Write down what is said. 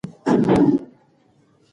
دا د طبيعت قانون دی.